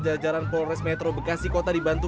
jajaran polres metro bekasi kota dibantu